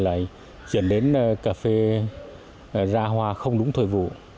lại chuyển đến cà phê ra hoa không đúng thời vụ